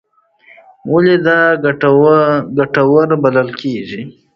ولې دا ګټور بلل کېږي؟